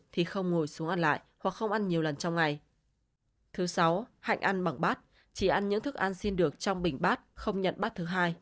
thứ sáu hạnh ăn bằng bát chỉ ăn những thức ăn xin được trong bình bát không nhận bát thứ hai